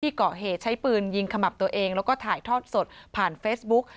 เกาะเหตุใช้ปืนยิงขมับตัวเองแล้วก็ถ่ายทอดสดผ่านเฟซบุ๊ก